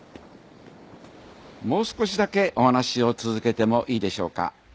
もう少しだけお話を続けてもいいでしょうか？